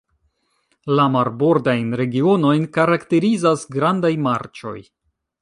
La marbordajn regionojn karakterizas grandaj marĉoj.